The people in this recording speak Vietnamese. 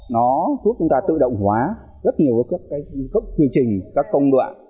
nó giúp chúng ta tự động hóa rất nhiều các quy trình các công đoạn